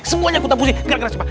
semuanya kutah pusing gara gara siapa